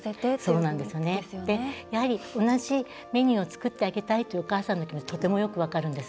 やはり、同じメニューを作ってあげたいというお母さんの気持ちとてもよく分かるんです。